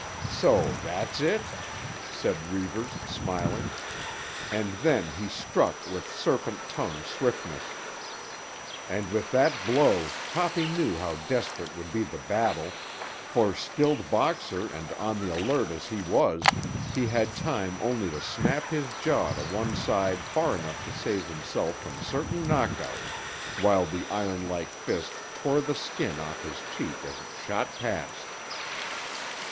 "So that's it?" said Reivers, smiling; and then he struck with serpent tongue swiftness. And with that blow Toppy knew how desperate would be the battle; for, skilled boxer and on the alert as he was, he had time only to snap his jaw to one side far enough to save himself from certain knockout, while the iron like fist tore the skin off his cheek as it shot past.